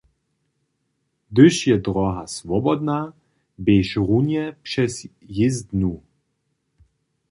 Hdyž je dróha swobodna, běž runje přez jězdnu!